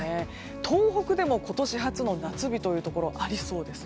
東北でも今年初の夏日というところがありそうです。